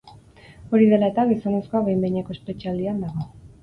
Hori dela eta, gizonezkoa behin-behineko espetxealdian dago.